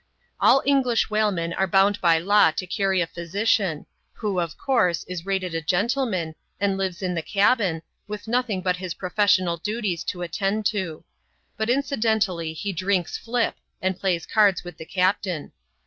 All English whalemen are bound by law to carry a physician, who, of course, is rated a gentleman, and lives in the cabin, with nothing but his professional duties to attend to ; but incidentally he drinks flip," and plays cards with the captain.